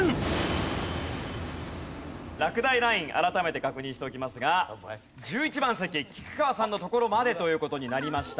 落第ライン改めて確認しておきますが１１番席菊川さんのところまでという事になりました。